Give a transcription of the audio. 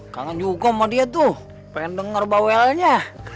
kangen dihukum sama dia tuh pengen denger bawelnya